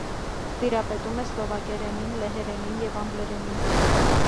Տիրապետում է սլովակերենին, լեհերենին և անգլերենին։